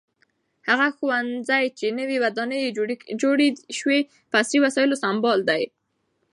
هغه ښوونځی چې نوې ودانۍ یې جوړه شوې په عصري وسایلو سمبال دی.